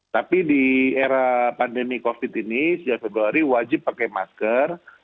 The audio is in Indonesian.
tapi di era pandemi covid ini sejak februari wajib pakai masker